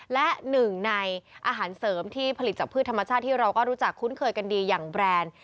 และหนึ่งในอาหารเสริมที่ผลิตจากพืชธรรมชาติที่เราก็รู้จักคุ้นเคยกันดีอย่างแบรนด์